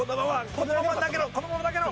このまま投げろ！